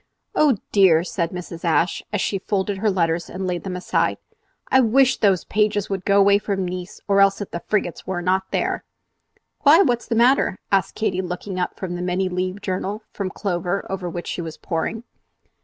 "Oh dear!" said Mrs. Ashe, as she folded her letters and laid them aside, "I wish those Pages would go away from Nice, or else that the frigates were not there." "Why! what's the matter?" asked Katy, looking up from the many leaved journal from Clover over which she was poring.